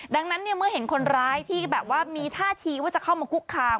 ดังนั้นเนี่ยเมื่อเห็นคนร้ายที่แบบว่ามีท่าทีว่าจะเข้ามาคุกคาม